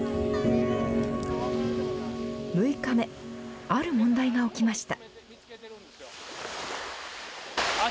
６日目ある問題ができました。